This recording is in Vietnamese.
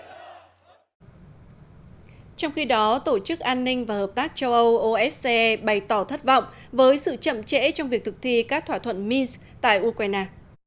trong khi đó tổ chức an ninh và hợp tác châu âu ose bày tỏ thất vọng với sự chậm trễ trong việc thực thi các thỏa thuận mins tại ukraine